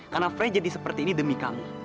karena fred jadi seperti ini demi kamu